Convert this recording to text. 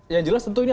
yang jelas tentunya